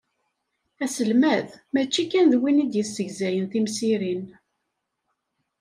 Aselmad mačči kan d win i d-yessegzayen timsirin.